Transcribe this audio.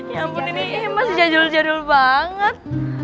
ya ampun ini masih jadul jadul banget